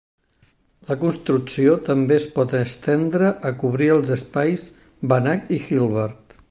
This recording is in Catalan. La construcció també es pot estendre a cobrir els espais Banach i Hilbert.